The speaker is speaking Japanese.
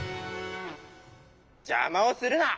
じゃまをするな！